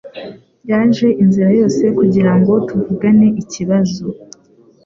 Yaje inzira yose kugirango tuvugane ikibazo.